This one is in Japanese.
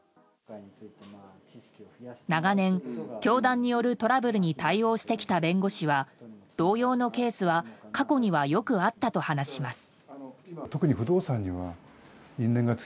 長年、教団によるトラブルに対応してきた弁護士は同様のケースは過去にはよくあったと話します。